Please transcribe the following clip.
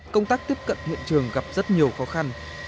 công tác tiếp cận hiện trường gặp rất nhiều khó khăn